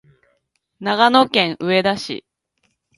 長野県上田市